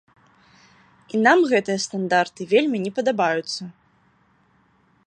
І нам гэтыя стандарты вельмі не падабаюцца.